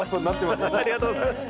ありがとうございます。